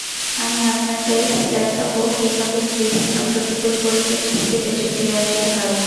আমি আপনাদের দেখাব কীভাবে বিভিন্ন প্রতিকূল পরিবেশ থেকে বেঁচে ফিরে আসতে হয়।